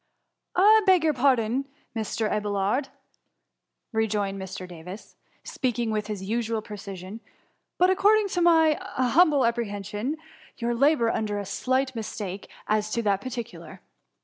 ^I beg your pardon, Mr. Abelwd,^ rejoined Mr. Davis, speaking with his usual precision, " but, according to my humble apprehension, yod labour under a slight mistake as to that particular.